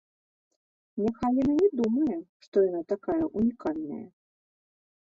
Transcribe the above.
Няхай яна не думае, што яна такая ўнікальная.